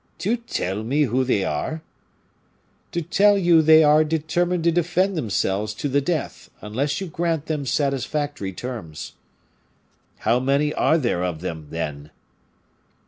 "To tell me who they are?" "To tell you they are determined to defend themselves to the death, unless you grant them satisfactory terms." "How many are there of them, then?"